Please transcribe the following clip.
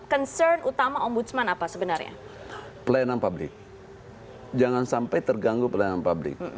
concern utama ombudsman apa sebenarnya pelayanan publik jangan sampai terganggu pelayanan publik